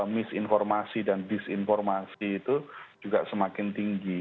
misinformasi dan disinformasi itu juga semakin tinggi